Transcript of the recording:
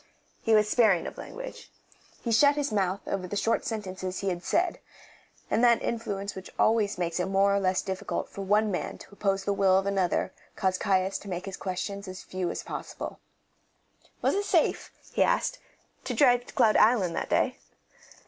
He was sparing of language. He shut his mouth over the short sentences he had said, and that influence which always makes it more or less difficult for one man to oppose the will of another caused Caius to make his questions as few as possible. Was it safe, he asked, to drive to Cloud Island that day?